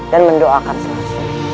dan mendoakan selasi